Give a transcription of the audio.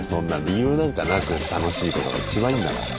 理由なんかなく楽しいことが一番いいんだから。